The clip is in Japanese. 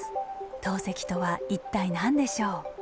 陶石とは一体何でしょう？